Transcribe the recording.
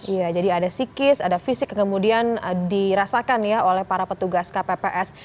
iya jadi ada psikis ada fisik yang kemudian dirasakan ya oleh para petugas kpps